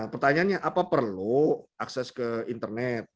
pertanyaannya apa perlu akses ke internet